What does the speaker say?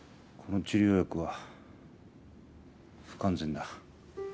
この治療薬は不完全だ。